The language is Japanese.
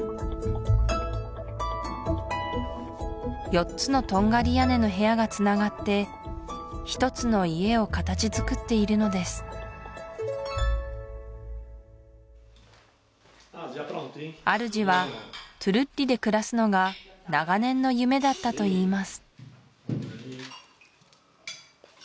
４つのトンガリ屋根の部屋がつながって一つの家を形づくっているのですあるじはトゥルッリで暮らすのが長年の夢だったといいます